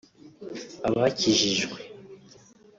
abakijijwe